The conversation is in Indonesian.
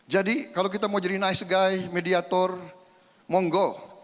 jadi kalau kita mau jadi nice guy mediator monggo